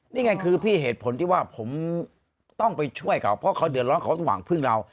นี่ไงคือพี่เหตุผลที่ว่าผมต้องไปช่วยเขาเพราะเขาเดือดร้อนเขาต้องหวังพึ่งเรา